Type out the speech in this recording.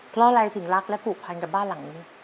เพราะอะไรถึงรักและผูกพันกับบ้านหลังนี้